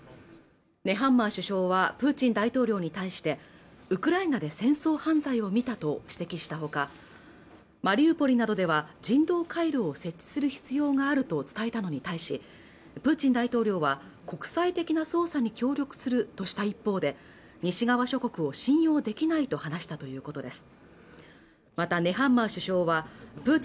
ネハンマー首相はプーチン大統領に対してウクライナで戦争犯罪を見たと指摘したほかマリウポリなどでは人道回廊設置する必要があると伝えたのに対しプーチン大統領は国際的な捜査に協力するとした一方で西側諸国を信用できないと話したということです